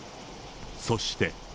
そして。